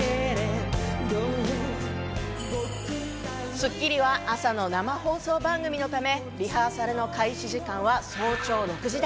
『スッキリ』は、朝の生放送番組のため、リハーサルの開始時間は早朝６時台。